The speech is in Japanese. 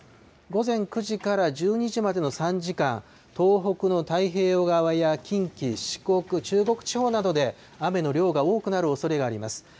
午前９時から１２時までの３時間、東北の太平洋側や近畿、四国、中国地方などで、雨の量が多くなるおそれがあります。